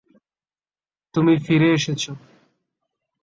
তুমি ফিরে এসেছো!